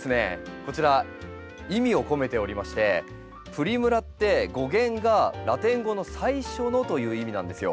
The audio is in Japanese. こちら意味を込めておりましてプリムラって語源がラテン語の「最初の」という意味なんですよ。